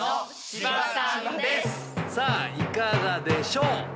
さぁいかがでしょう？